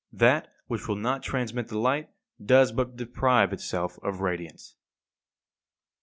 That which will not transmit the light does but deprive itself of radiance. 58.